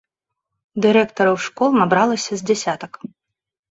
Дырэктараў школ набралася з дзясятак.